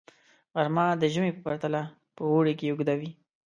غرمه د ژمي په پرتله په اوړي کې اوږده وي